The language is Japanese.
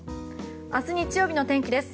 明日日曜日の天気です。